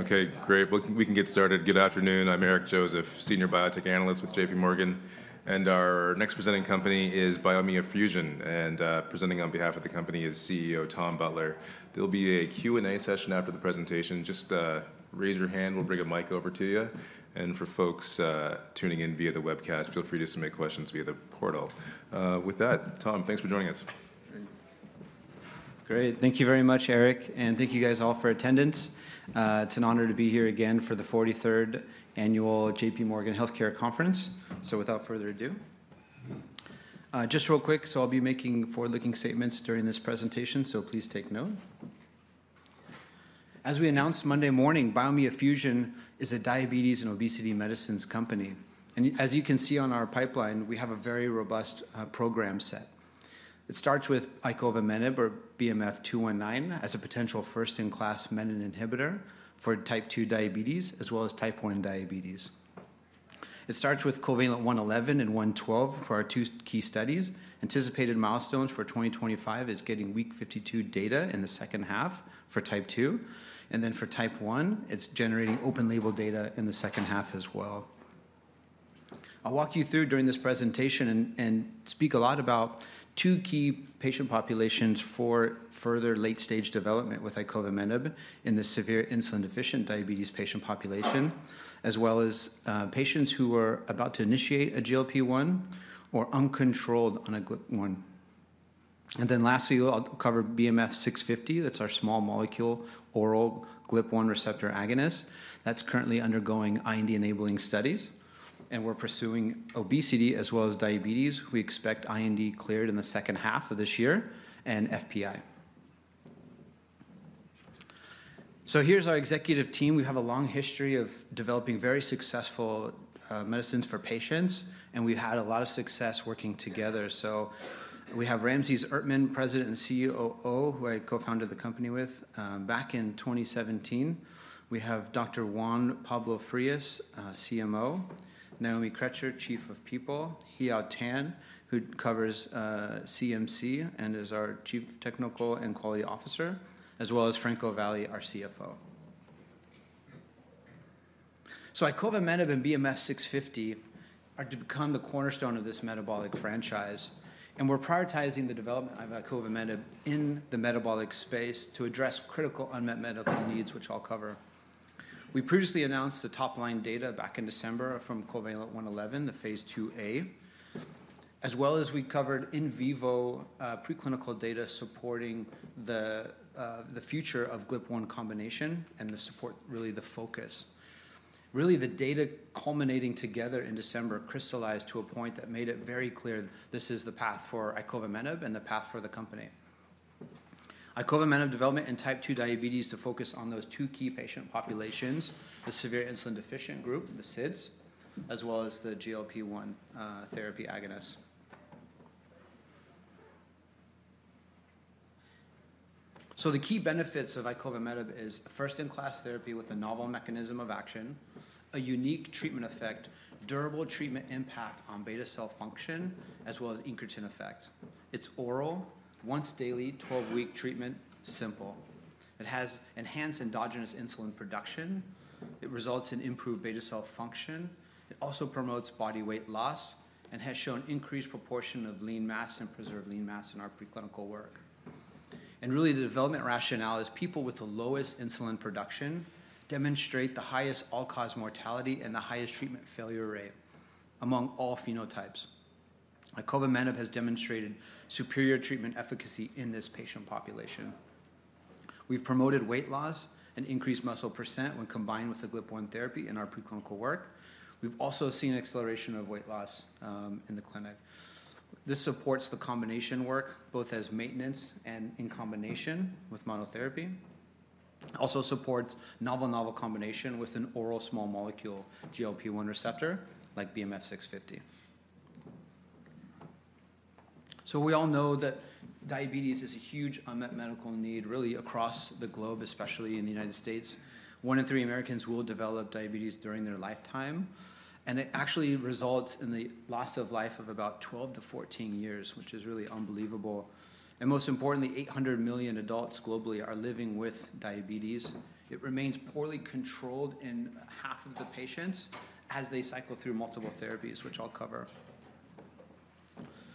Okay, great. We can get started. Good afternoon. I'm Eric Joseph, Senior Biotech Analyst with J.P. Morgan, and our next presenting company is Biomea Fusion, and presenting on behalf of the company is CEO Tom Butler. There'll be a Q&A session after the presentation. Just raise your hand. We'll bring a mic over to you, and for folks tuning in via the webcast, feel free to submit questions via the portal. With that, Tom, thanks for joining us. Great. Thank you very much, Eric. And thank you guys all for attendance. It's an honor to be here again for the 43rd Annual J.P. Morgan Healthcare Conference. So without further ado, just real quick, so I'll be making forward-looking statements during this presentation, so please take note. As we announced Monday morning, Biomea Fusion is a diabetes and obesity medicines company. And as you can see on our pipeline, we have a very robust program set. It starts with icovamenib, or BMF-219, as a potential first-in-class menin inhibitor for Type 2 diabetes, as well as Type 1 diabetes. It starts with COVALENT-111 and 112 for our two key studies. Anticipated milestones for 2025 are getting week 52 data in the second half for Type 2. And then for Type 1, it's generating open-label data in the second half as well. I'll walk you through during this presentation and speak a lot about two key patient populations for further late-stage development with icovamenib in the severe insulin-deficient diabetes patient population, as well as patients who are about to initiate a GLP-1 or uncontrolled on a GLP-1. And then lastly, I'll cover BMF-650. That's our small molecule oral GLP-1 receptor agonist that's currently undergoing IND-enabling studies. And we're pursuing obesity as well as diabetes. We expect IND cleared in the second half of this year and FPI. So here's our executive team. We have a long history of developing very successful medicines for patients. And we've had a lot of success working together. So we have Ramses Ertman, President and CEO, who I co-founded the company with back in 2017. We have Dr. Juan Pablo Frias, CMO, Naomi Cretcher, Chief of People, Heow Tan, who covers CMC and is our Chief Technical and Quality Officer, as well as Franco Valle, our CFO, so icovamenib and BMF-650 are to become the cornerstone of this metabolic franchise, and we're prioritizing the development of icovamenib in the metabolic space to address critical unmet medical needs, which I'll cover. We previously announced the top-line data back in December from COVALENT-111, the Phase IIa, as well as we covered in vivo preclinical data supporting the future of GLP-1 combination and the support, really the focus. Really, the data culminating together in December crystallized to a point that made it very clear this is the path for icovamenib and the path for the company. Icovamenib development in Type 2 diabetes to focus on those two key patient populations, the severe insulin-deficient group, the SIDs, as well as the GLP-1 therapy agonist. So the key benefits of icovamenib are first-in-class therapy with a novel mechanism of action, a unique treatment effect, durable treatment impact on beta cell function, as well as incretin effect. It's oral, once daily, 12-week treatment, simple. It has enhanced endogenous insulin production. It results in improved beta cell function. It also promotes body weight loss and has shown increased proportion of lean mass and preserved lean mass in our preclinical work. And really, the development rationale is people with the lowest insulin production demonstrate the highest all-cause mortality and the highest treatment failure rate among all phenotypes. icovamenib has demonstrated superior treatment efficacy in this patient population. We've promoted weight loss and increased muscle percent when combined with the GLP-1 therapy in our preclinical work. We've also seen acceleration of weight loss in the clinic. This supports the combination work, both as maintenance and in combination with monotherapy. Also supports novel combination with an oral small molecule GLP-1 receptor like BMF-650. So we all know that diabetes is a huge unmet medical need, really, across the globe, especially in the United States. One in three Americans will develop diabetes during their lifetime. And it actually results in the loss of life of about 12-14 years, which is really unbelievable. And most importantly, 800 million adults globally are living with diabetes. It remains poorly controlled in half of the patients as they cycle through multiple therapies, which I'll cover.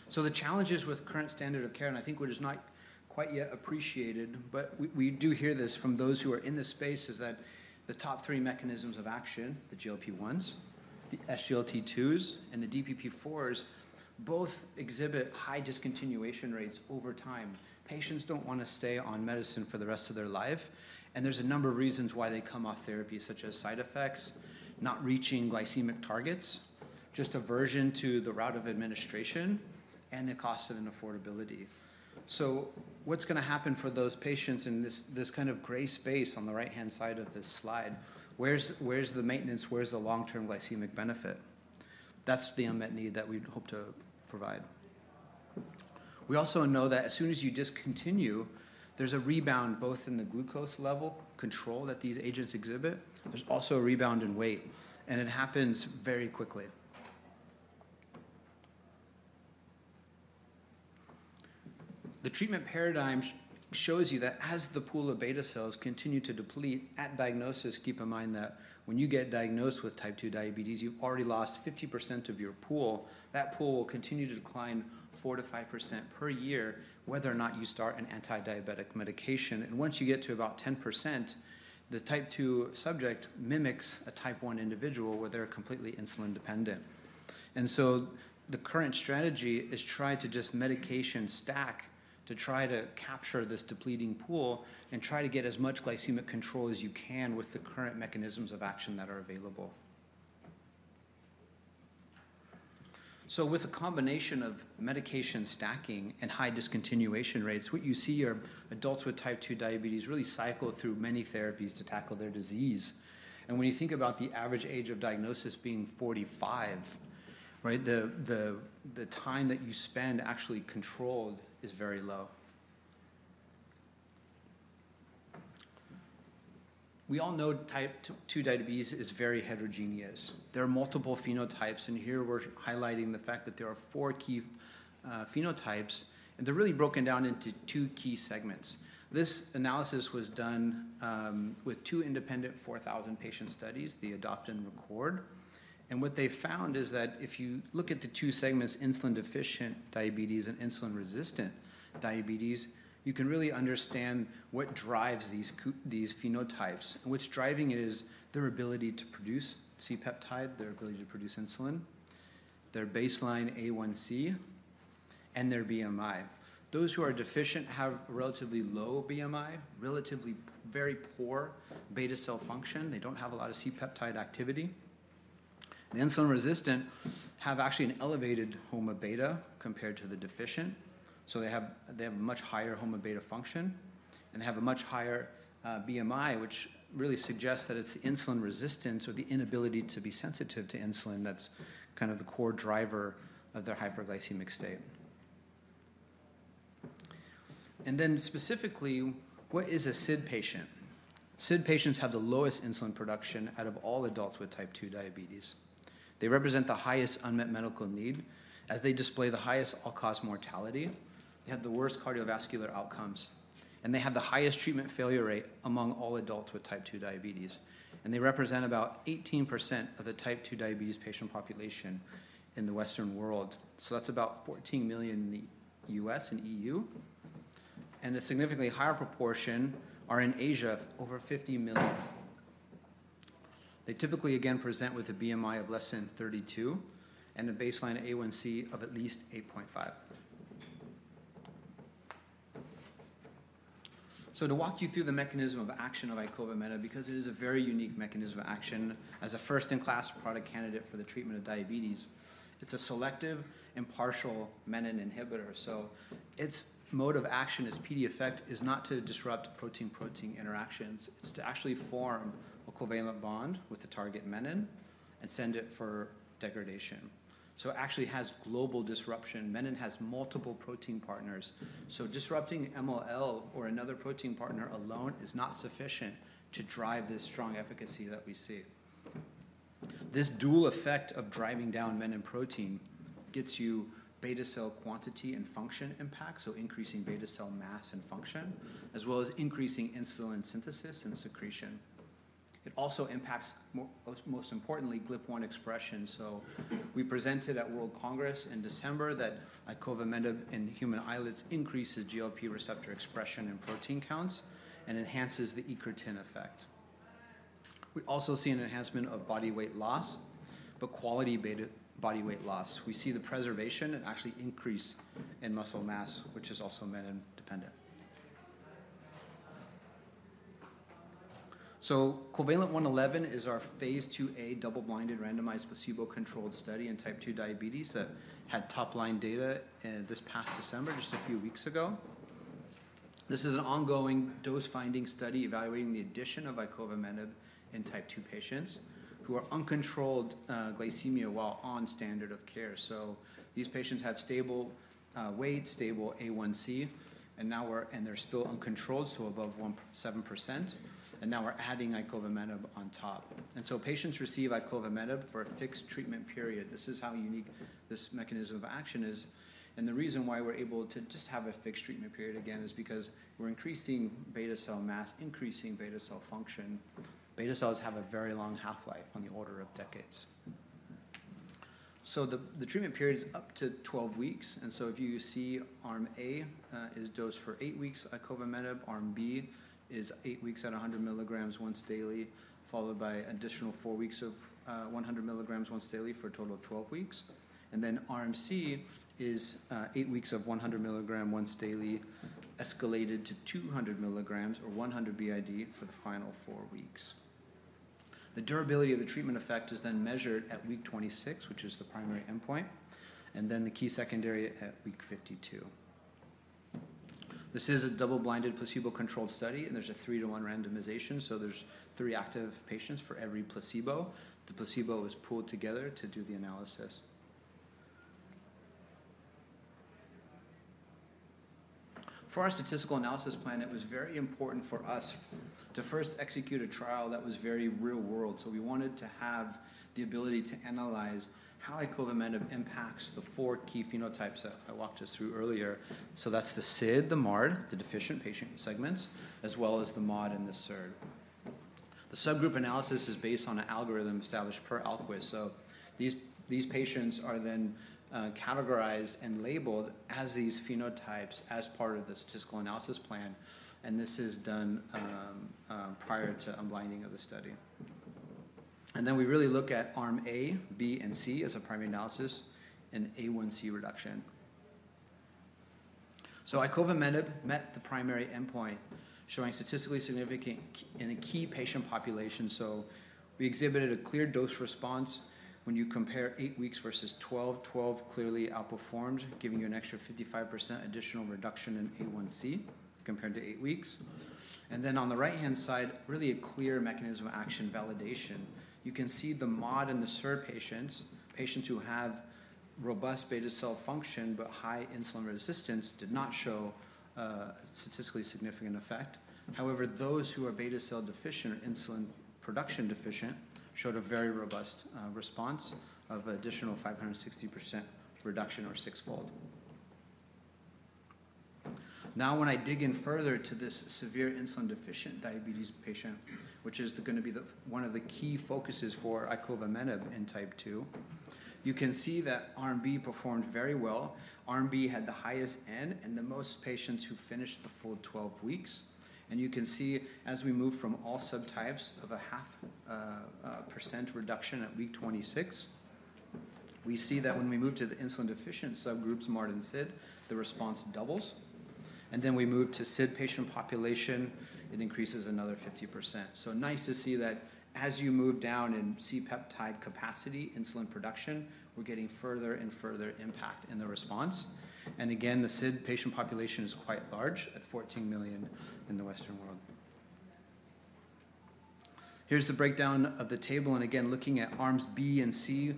So the challenges with current standard of care, and I think we're just not quite yet appreciated, but we do hear this from those who are in this space, is that the top three mechanisms of action, the GLP-1s, the SGLT2s, and the DPP-4s, both exhibit high discontinuation rates over time. Patients don't want to stay on medicine for the rest of their life. And there's a number of reasons why they come off therapy, such as side effects, not reaching glycemic targets, just aversion to the route of administration, and the cost of unaffordability. So what's going to happen for those patients in this kind of gray space on the right-hand side of this slide? Where's the maintenance? Where's the long-term glycemic benefit? That's the unmet need that we hope to provide. We also know that as soon as you discontinue, there's a rebound both in the glucose level control that these agents exhibit. There's also a rebound in weight, and it happens very quickly. The treatment paradigm shows you that as the pool of beta cells continue to deplete at diagnosis. Keep in mind that when you get diagnosed with Type 2 diabetes, you've already lost 50% of your pool. That pool will continue to decline 4%-5% per year, whether or not you start an anti-diabetic medication, and once you get to about 10%, the Type 2 subject mimics a Type 1 individual, where they're completely insulin-dependent, and so the current strategy is to try to just medication stack to try to capture this depleting pool and try to get as much glycemic control as you can with the current mechanisms of action that are available. With a combination of medication stacking and high discontinuation rates, what you see are adults with Type 2 diabetes really cycle through many therapies to tackle their disease. When you think about the average age of diagnosis being 45, right, the time that you spend actually controlled is very low. We all know Type 2 diabetes is very heterogeneous. There are multiple phenotypes. Here we're highlighting the fact that there are four key phenotypes. They're really broken down into two key segments. This analysis was done with two independent 4,000-patient studies, the ADOPT and RECORD. What they found is that if you look at the two segments, insulin-deficient diabetes and insulin-resistant diabetes, you can really understand what drives these phenotypes. What's driving it is their ability to produce C-peptide, their ability to produce insulin, their baseline A1C, and their BMI. Those who are deficient have relatively low BMI, relatively very poor beta cell function. They don't have a lot of C-peptide activity. The insulin-resistant have actually an elevated HOMA-beta compared to the deficient. So they have much higher HOMA-beta function. And they have a much higher BMI, which really suggests that it's insulin resistance or the inability to be sensitive to insulin that's kind of the core driver of their hyperglycemic state. And then specifically, what is a SID patient? SID patients have the lowest insulin production out of all adults with Type 2 diabetes. They represent the highest unmet medical need, as they display the highest all-cause mortality. They have the worst cardiovascular outcomes. And they have the highest treatment failure rate among all adults with Type 2 diabetes. And they represent about 18% of the Type 2 diabetes patient population in the Western world. That's about 14 million in the U.S. and E.U.. And a significantly higher proportion are in Asia, over 50 million. They typically, again, present with a BMI of less than 32 and a baseline A1C of at least 8.5. To walk you through the mechanism of action of icovamenib, because it is a very unique mechanism of action as a first-in-class product candidate for the treatment of diabetes, it's a selective and partial menin inhibitor. Its mode of action, its PD effect, is not to disrupt protein-protein interactions. It's to actually form a covalent bond with the target menin and send it for degradation. It actually has global disruption. Menin has multiple protein partners. Disrupting MLL or another protein partner alone is not sufficient to drive this strong efficacy that we see. This dual effect of driving down menin protein gets you beta cell quantity and function impact, so increasing beta cell mass and function, as well as increasing insulin synthesis and secretion. It also impacts, most importantly, GLP-1 expression. So we presented at World Congress in December that icovamenib in human islets increases GLP-1 receptor expression and protein counts and enhances the incretin effect. We also see an enhancement of body weight loss, but quality body weight loss. We see the preservation and actually increase in muscle mass, which is also menin-dependent. So COVALENT-111 is our Phase IIa double-blind randomized placebo-controlled study in Type 2 diabetes that had top-line data this past December, just a few weeks ago. This is an ongoing dose-finding study evaluating the addition of icovamenib in Type 2 patients who are uncontrolled glycemia while on standard of care. So these patients have stable weight, stable A1C, and now we're, and they're still uncontrolled, so above 7%. And now we're adding icovamenib on top. And so patients receive icovamenib for a fixed treatment period. This is how unique this mechanism of action is. And the reason why we're able to just have a fixed treatment period, again, is because we're increasing beta cell mass, increasing beta cell function. Beta cells have a very long half-life on the order of decades. So the treatment period is up to 12 weeks. And so if you see Arm A is dosed for eight weeks of icovamenib, Arm B is eight weeks at 100 mg once daily, followed by additional four weeks of 100 mg once daily for a total of 12 weeks. And then Arm C is eight weeks of 100 mg once daily, escalated to 200 mg or 100 BID for the final four weeks. The durability of the treatment effect is then measured at week 26, which is the primary endpoint, and then the key secondary at week 52. This is a double-blind placebo-controlled study, and there's a three-to-one randomization, so there's three active patients for every placebo. The placebo is pooled together to do the analysis. For our statistical analysis plan, it was very important for us to first execute a trial that was very real-world, so we wanted to have the ability to analyze how icovamenib impacts the four key phenotypes that I walked us through earlier, so that's the SID, the MARD, the deficient patient segments, as well as the MOD and the SIRD. The subgroup analysis is based on an algorithm established per Ahlqvist, so these patients are then categorized and labeled as these phenotypes as part of the statistical analysis plan. And this is done prior to unblinding of the study. And then we really look at Arm A, B, and C as a primary analysis and A1C reduction. So icovamenib met the primary endpoint, showing statistically significant in a key patient population. So we exhibited a clear dose response when you compare eight weeks versus 12. 12 clearly outperformed, giving you an extra 55% additional reduction in A1C compared to eight weeks. And then on the right-hand side, really a clear mechanism of action validation. You can see the MOD and the SIRD patients, patients who have robust beta cell function but high insulin resistance, did not show statistically significant effect. However, those who are beta cell deficient or insulin production deficient showed a very robust response of an additional 560% reduction or sixfold. Now, when I dig in further to this severe insulin-deficient diabetes patient, which is going to be one of the key focuses for icovamenib in Type 2, you can see that Arm B performed very well. Arm B had the highest end and the most patients who finished the full 12 weeks. And you can see as we move from all subtypes of a 0.5% reduction at week 26, we see that when we move to the insulin-deficient subgroups, MARD and SID, the response doubles. And then we move to SID patient population, it increases another 50%. So nice to see that as you move down in C-peptide capacity, insulin production, we're getting further and further impact in the response. And again, the SID patient population is quite large at 14 million in the Western world. Here's the breakdown of the table. And again, looking at Arms B and C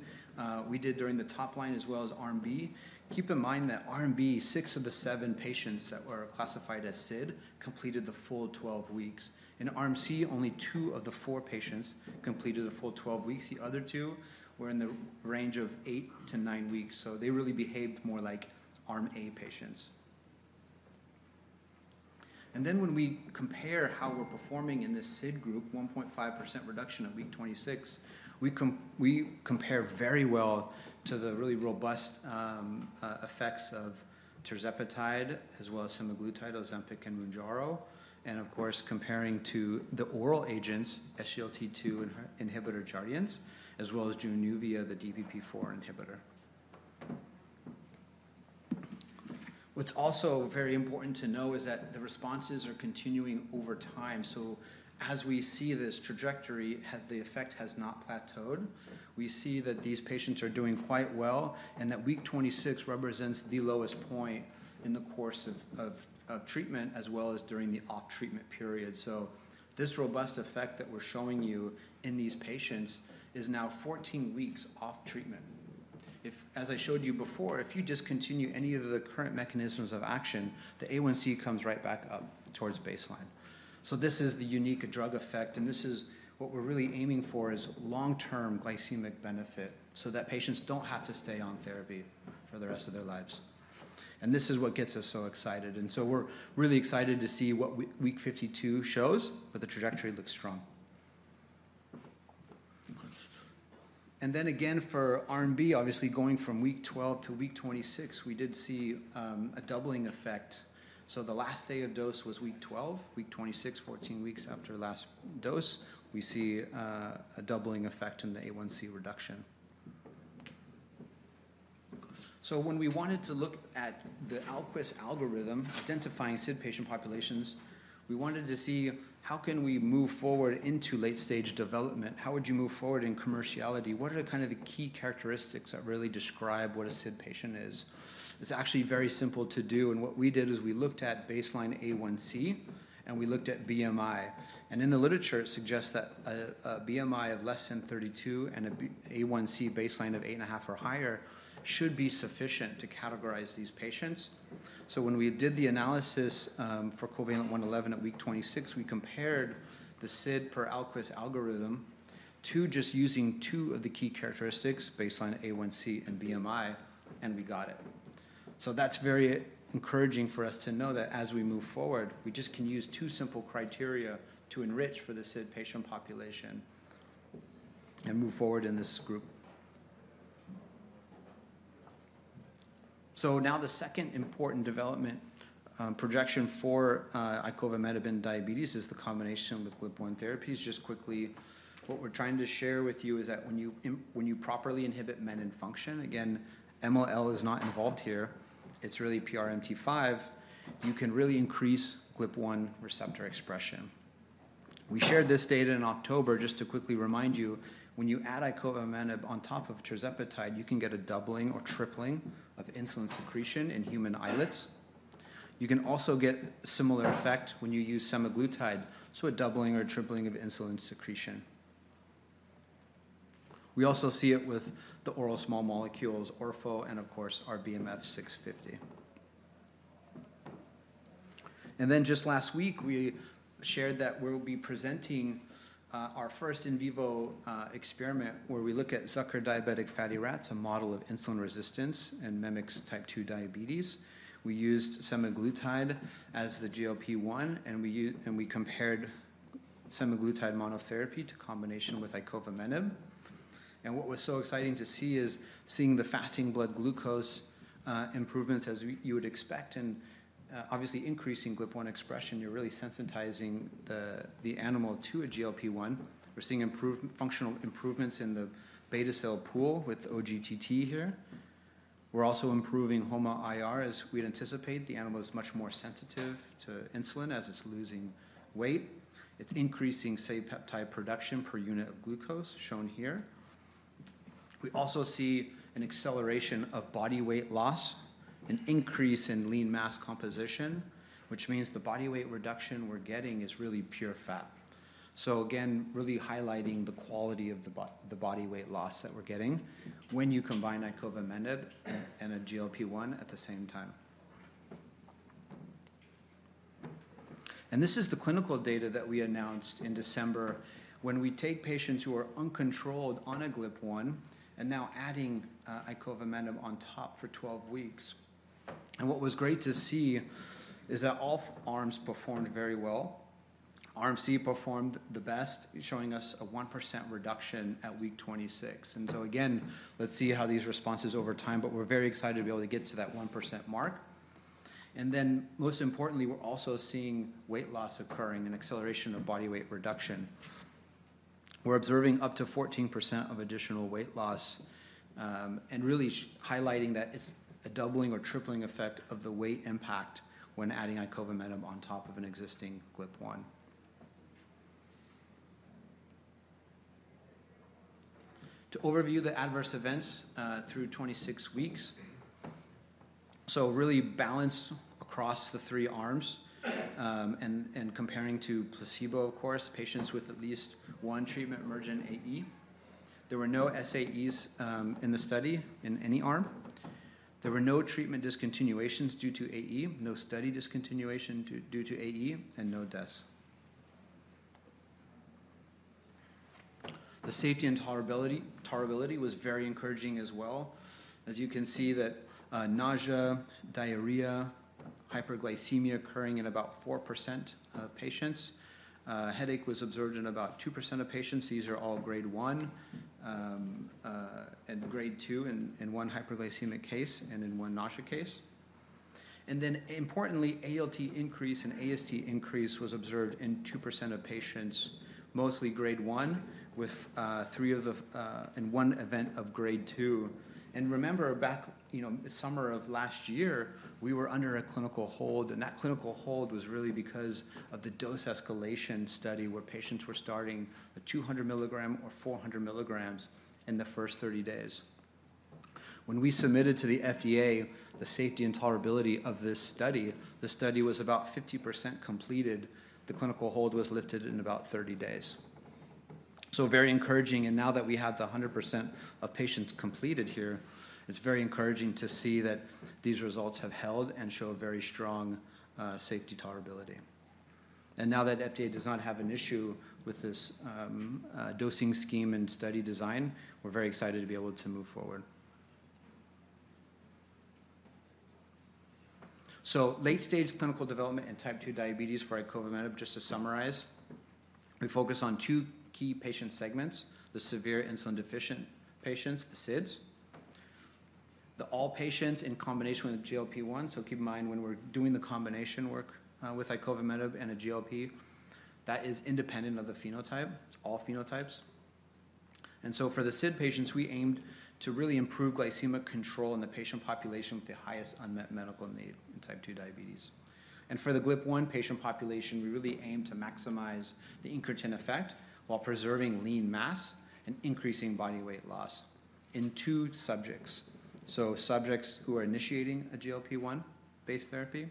we did during the top line as well as Arm B. Keep in mind that Arm B, six of the seven patients that were classified as SID, completed the full 12 weeks. In Arm C, only two of the four patients completed the full 12 weeks. The other two were in the range of eight to nine weeks. So they really behaved more like Arm A patients. And then when we compare how we're performing in this SID group, 1.5% reduction at week 26, we compare very well to the really robust effects of tirzepatide as well as semaglutide, Ozempic, and Mounjaro. And of course, comparing to the oral agents, SGLT2 inhibitor Jardiance, as well as Januvia, the DPP-4 inhibitor. What's also very important to know is that the responses are continuing over time. So as we see this trajectory, the effect has not plateaued. We see that these patients are doing quite well and that week 26 represents the lowest point in the course of treatment as well as during the off-treatment period. So this robust effect that we're showing you in these patients is now 14 weeks off treatment. As I showed you before, if you discontinue any of the current mechanisms of action, the A1C comes right back up towards baseline. So this is the unique drug effect. And this is what we're really aiming for is long-term glycemic benefit so that patients don't have to stay on therapy for the rest of their lives. And this is what gets us so excited. And so we're really excited to see what week 52 shows, but the trajectory looks strong. And then again, for Arm B, obviously going from week 12 to week 26, we did see a doubling effect. So the last day of dose was week 12. Week 26, 14 weeks after last dose, we see a doubling effect in the A1C reduction. So when we wanted to look at the Ahlqvist algorithm identifying SID patient populations, we wanted to see how can we move forward into late-stage development. How would you move forward in commerciality? What are kind of the key characteristics that really describe what a SID patient is? It's actually very simple to do. And what we did is we looked at baseline A1C and we looked at BMI. And in the literature, it suggests that a BMI of less than 32 and an A1C baseline of 8.5 or higher should be sufficient to categorize these patients. When we did the analysis for COVALENT-111 at week 26, we compared the SID per Ahlqvist algorithm to just using two of the key characteristics, baseline A1C and BMI, and we got it. That's very encouraging for us to know that as we move forward, we just can use two simple criteria to enrich for the SID patient population and move forward in this group. Now the second important development projection for icovamenib in diabetes is the combination with GLP-1 therapies. Just quickly, what we're trying to share with you is that when you properly inhibit menin function, again, MLL is not involved here. It's really PRMT5. You can really increase GLP-1 receptor expression. We shared this data in October just to quickly remind you. When you add icovamenib on top of tirzepatide, you can get a doubling or tripling of insulin secretion in human islets. You can also get a similar effect when you use semaglutide, so a doubling or tripling of insulin secretion. We also see it with the oral small molecules, ORFO, and of course, our BMF-650. And then just last week, we shared that we'll be presenting our first in vivo experiment where we look at Zucker diabetic fatty rats, a model of insulin resistance and mimics Type 2 diabetes. We used semaglutide as the GLP-1, and we compared semaglutide monotherapy to combination with icovamenib. And what was so exciting to see is seeing the fasting blood glucose improvements, as you would expect, and obviously increasing GLP-1 expression. You're really sensitizing the animal to a GLP-1. We're seeing functional improvements in the beta cell pool with OGTT here. We're also improving HOMA-IR, as we'd anticipate. The animal is much more sensitive to insulin as it's losing weight. It's increasing C-peptide production per unit of glucose, shown here. We also see an acceleration of body weight loss, an increase in lean mass composition, which means the body weight reduction we're getting is really pure fat. So again, really highlighting the quality of the body weight loss that we're getting when you combine icovamenib and a GLP-1 at the same time. And this is the clinical data that we announced in December when we take patients who are uncontrolled on a GLP-1 and now adding icovamenib on top for 12 weeks. And what was great to see is that all arms performed very well. Arm C performed the best, showing us a 1% reduction at week 26. And so again, let's see how these responses over time, but we're very excited to be able to get to that 1% mark. And then most importantly, we're also seeing weight loss occurring and acceleration of body weight reduction. We're observing up to 14% of additional weight loss and really highlighting that it's a doubling or tripling effect of the weight impact when adding icovamenib on top of an existing GLP-1. To overview the adverse events through 26 weeks, so really balanced across the three arms and comparing to placebo, of course, patients with at least one treatment-emergent AE. There were no SAEs in the study in any arm. There were no treatment discontinuations due to AE, no study discontinuation due to AE, and no deaths. The safety and tolerability was very encouraging as well. As you can see, nausea, diarrhea, hyperglycemia occurring in about 4% of patients. Headache was observed in about 2% of patients. These are all grade 1 and grade 2 in one hyperglycemic case and in one nausea case. And then importantly, ALT increase and AST increase was observed in 2% of patients, mostly grade 1, with three of them in one event of grade 2. And remember, back in the summer of last year, we were under a clinical hold. And that clinical hold was really because of the dose escalation study where patients were starting at 200 mg or 400 mg in the first 30 days. When we submitted to the FDA the safety and tolerability of this study, the study was about 50% completed. The clinical hold was lifted in about 30 days. So very encouraging. And now that we have the 100% of patients completed here, it's very encouraging to see that these results have held and show a very strong safety and tolerability. Now that the FDA does not have an issue with this dosing scheme and study design, we're very excited to be able to move forward. Late-stage clinical development in Type 2 diabetes for icovamenib, just to summarize, we focus on two key patient segments: the severe insulin-deficient patients, the SIDs, then all patients in combination with GLP-1. Keep in mind when we're doing the combination work with icovamenib and a GLP, that is independent of the phenotype, all phenotypes. For the SID patients, we aimed to really improve glycemic control in the patient population with the highest unmet medical need in Type 2 diabetes. For the GLP-1 patient population, we really aimed to maximize the incretin effect while preserving lean mass and increasing body weight loss in two subjects. Subjects who are initiating a GLP-1-based therapy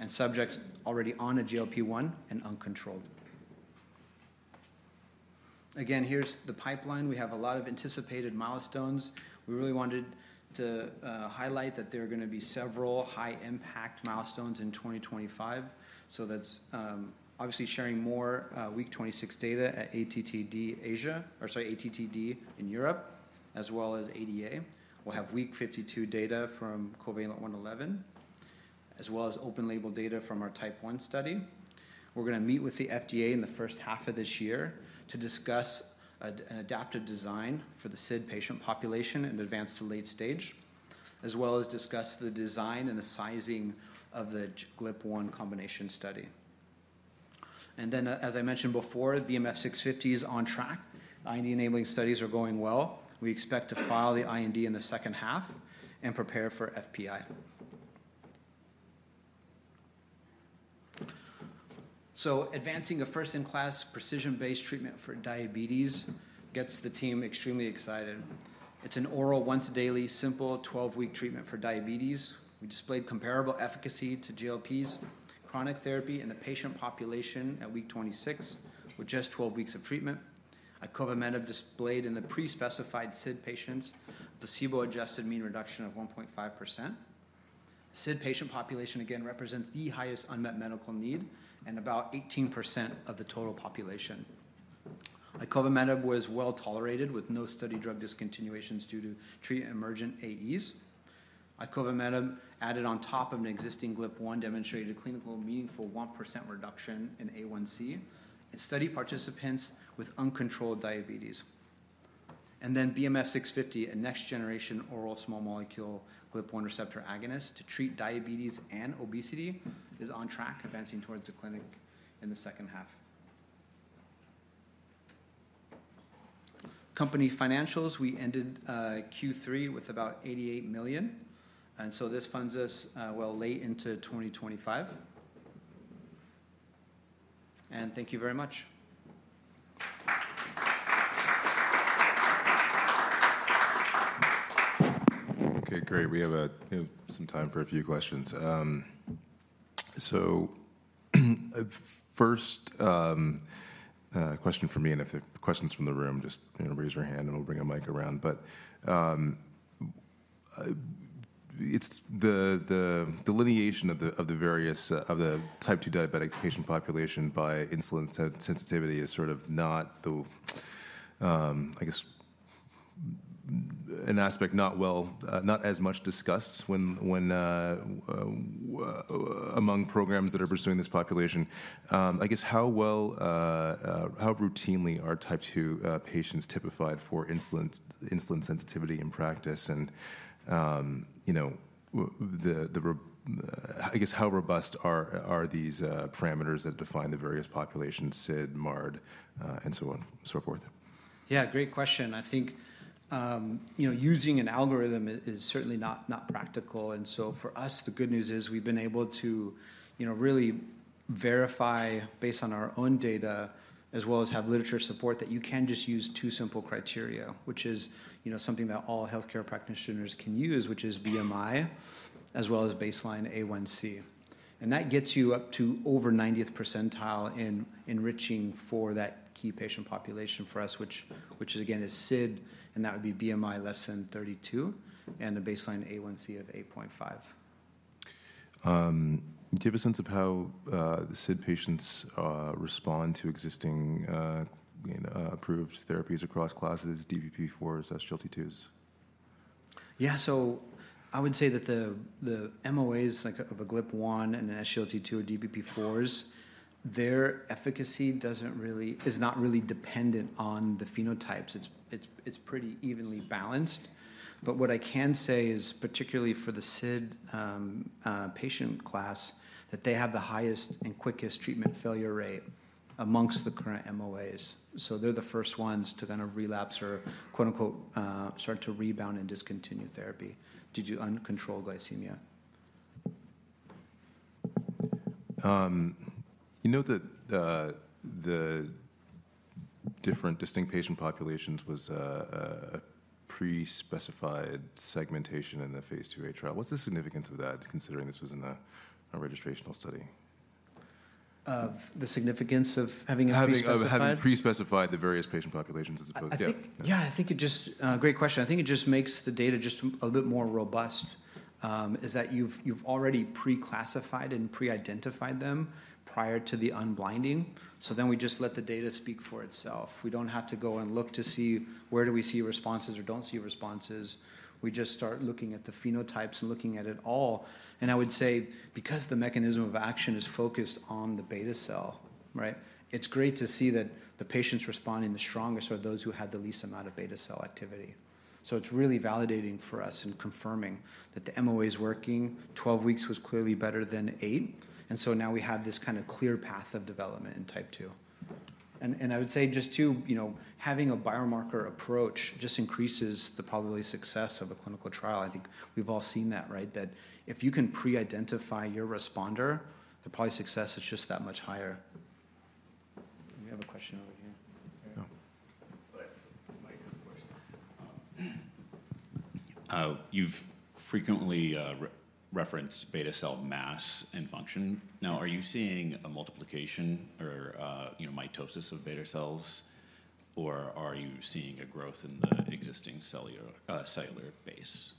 and subjects already on a GLP-1 and uncontrolled. Again, here's the pipeline. We have a lot of anticipated milestones. We really wanted to highlight that there are going to be several high-impact milestones in 2025. So that's obviously sharing more week 26 data at ATTD Asia or sorry, ATTD in Europe, as well as ADA. We'll have week 52 data from COVALENT-111, as well as open-label data from our Type 1 study. We're going to meet with the FDA in the first half of this year to discuss an adaptive design for the SID patient population and advance to late stage, as well as discuss the design and the sizing of the GLP-1 combination study. And then, as I mentioned before, BMF-650 is on track. IND enabling studies are going well. We expect to file the IND in the second half and prepare for FPI. Advancing a first-in-class precision-based treatment for diabetes gets the team extremely excited. It's an oral, once daily, simple 12-week treatment for diabetes. We displayed comparable efficacy to GLPs, chronic therapy, and the patient population at week 26 with just 12 weeks of treatment. Icovamenib displayed in the pre-specified SID patients placebo-adjusted mean reduction of 1.5%. SID patient population, again, represents the highest unmet medical need and about 18% of the total population. Icovamenib was well tolerated with no study drug discontinuations due to treatment emergent AEs. Icovamenib added on top of an existing GLP-1 demonstrated a clinically meaningful 1% reduction in A1C in study participants with uncontrolled diabetes. And then BMF-650, a next-generation oral small molecule GLP-1 receptor agonist to treat diabetes and obesity, is on track, advancing towards the clinic in the second half. Company financials, we ended Q3 with about $88 million. And so this funds us well late into 2025. And thank you very much. Okay, great. We have some time for a few questions. So first question for me, and if there are questions from the room, just raise your hand and we'll bring a mic around. But the delineation of the various of the Type 2 diabetic patient population by insulin sensitivity is sort of not the, I guess, an aspect not well not as much discussed among programs that are pursuing this population. I guess how well how routinely are Type 2 patients typified for insulin sensitivity in practice? And I guess how robust are these parameters that define the various populations, SID, MARD, and so on and so forth? Yeah, great question. I think using an algorithm is certainly not practical, and so for us, the good news is we've been able to really verify based on our own data, as well as have literature support, that you can just use two simple criteria, which is something that all healthcare practitioners can use, which is BMI, as well as baseline A1C, and that gets you up to over 90th percentile in enriching for that key patient population for us, which is, again, SID, and that would be BMI less than 32 and a baseline A1C of 8.5. Do you have a sense of how SID patients respond to existing approved therapies across classes, DPP-4s, SGLT2s? Yeah, so I would say that the MOAs of a GLP-1 and an SGLT2 or DPP-4s, their efficacy is not really dependent on the phenotypes. It's pretty evenly balanced. But what I can say is, particularly for the SID patient class, that they have the highest and quickest treatment failure rate among the current MOAs. So they're the first ones to kind of relapse or "start to rebound and discontinue therapy" due to uncontrolled glycemia. You know that the different distinct patient populations was a pre-specified segmentation in the Phase IIa trial. What's the significance of that, considering this was in a registrational study? Of the significance of having a prescribed? Having pre-specified the various patient populations. Yeah, I think it's just a great question. I think it just makes the data just a little bit more robust, is that you've already pre-classified and pre-identified them prior to the unblinding. So then we just let the data speak for itself. We don't have to go and look to see where do we see responses or don't see responses. We just start looking at the phenotypes and looking at it all. And I would say, because the mechanism of action is focused on the beta cell, right, it's great to see that the patients responding the strongest are those who had the least amount of beta cell activity. So it's really validating for us and confirming that the MOA is working. 12 weeks was clearly better than eight. And so now we have this kind of clear path of development in Type 2. I would say just to, having a biomarker approach just increases the probability of success of a clinical trial. I think we've all seen that, right, that if you can pre-identify your responder, the probability of success is just that much higher. We have a question over here. No. You've frequently referenced beta cell mass and function. Now, are you seeing a multiplication or mitosis of beta cells, or are you seeing a growth in the existing cellular base?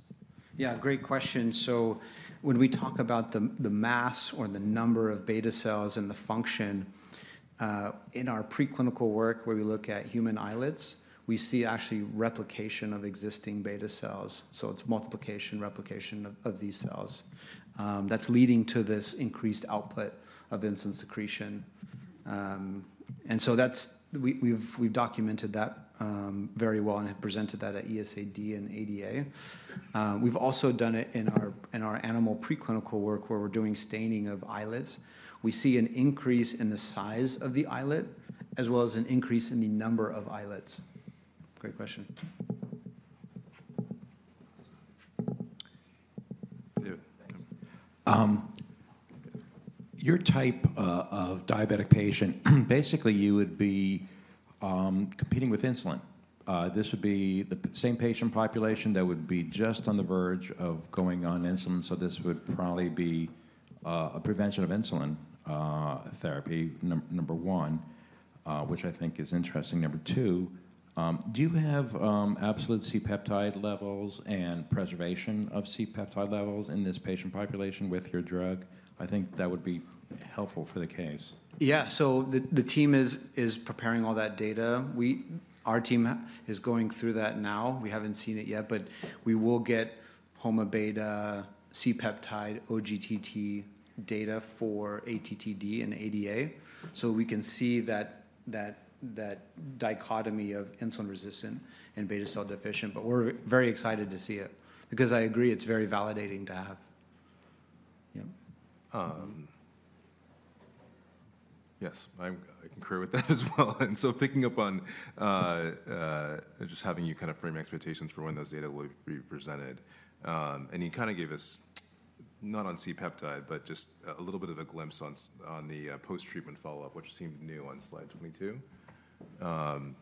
Yeah, great question. So when we talk about the mass or the number of beta cells and the function, in our preclinical work where we look at human islets, we see actually replication of existing beta cells. So it's multiplication, replication of these cells that's leading to this increased output of insulin secretion. And so we've documented that very well and have presented that at EASD and ADA. We've also done it in our animal preclinical work where we're doing staining of islets. We see an increase in the size of the islet, as well as an increase in the number of islets. Great question. Your type of diabetic patient, basically, you would be competing with insulin. This would be the same patient population that would be just on the verge of going on insulin. So this would probably be a prevention of insulin therapy, number one, which I think is interesting. Number two, do you have absolute C-peptide levels and preservation of C-peptide levels in this patient population with your drug? I think that would be helpful for the case. Yeah, so the team is preparing all that data. Our team is going through that now. We haven't seen it yet, but we will get HOMA-beta, C-peptide, OGTT data for ATTD and ADA. So we can see that dichotomy of insulin-resistant and beta-cell-deficient. But we're very excited to see it because I agree it's very validating to have. Yes, I concur with that as well. And so picking up on just having you kind of frame expectations for when those data will be presented, and you kind of gave us not on C-peptide, but just a little bit of a glimpse on the post-treatment follow-up, which seemed new on slide 22.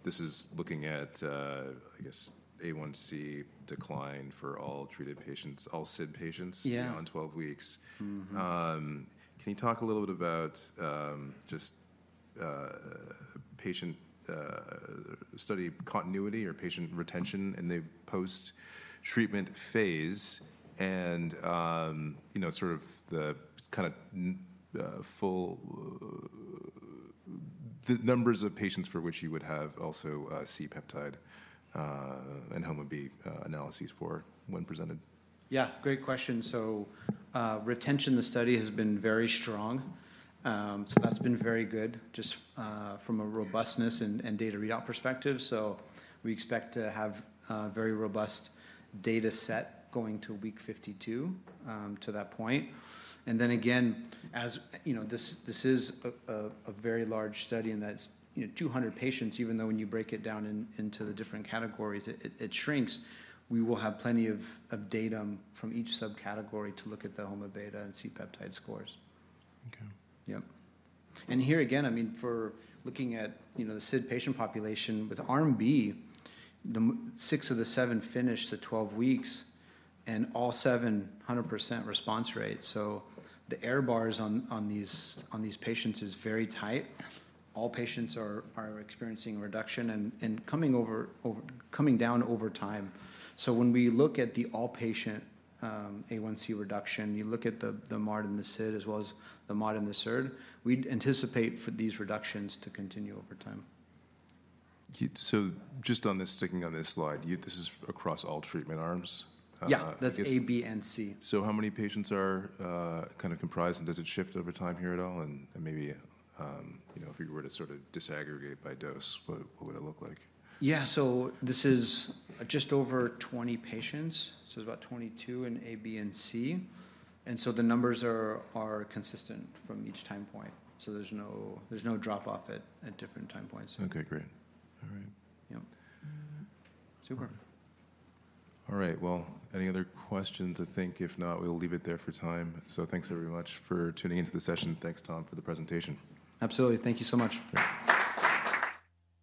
This is looking at, I guess, A1C decline for all treated patients, all SID patients on 12 weeks. Can you talk a little bit about just patient study continuity or patient retention in the post-treatment phase and sort of the kind of full the numbers of patients for which you would have also C-peptide and HOMA-beta analyses for when presented? Yeah, great question. So retention in the study has been very strong. So that's been very good just from a robustness and data readout perspective. So we expect to have a very robust data set going to week 52 to that point. And then again, as this is a very large study and that's 200 patients, even though when you break it down into the different categories, it shrinks, we will have plenty of data from each subcategory to look at the HOMA-beta and C-peptide scores. Okay. Yep. And here again, I mean, for looking at the SID patient population with arm B, six of the seven finished the 12 weeks, and all seven 100% response rate. So the error bars on these patients is very tight. All patients are experiencing a reduction and coming down over time. So when we look at the all patient A1C reduction, you look at the MARD and the SID, as well as the MARD and the SIRD, we anticipate for these reductions to continue over time. So just on this, sticking on this slide, this is across all treatment arms? Yeah, that's A,B, and C. So how many patients are kind of comprised? And does it shift over time here at all? And maybe if you were to sort of disaggregate by dose, what would it look like? Yeah, so this is just over 20 patients. So it's about 22 in A, B, and C. And so the numbers are consistent from each time point. So there's no drop-off at different time points. Okay, great. All right. Yep. Super. All right, well, any other questions? I think if not, we'll leave it there for time. So thanks very much for tuning into the session. Thanks, Tom, for the presentation. Absolutely. Thank you so much.